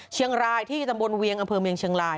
เชียงรายที่ตำบลเวียงอำเภอเมืองเชียงราย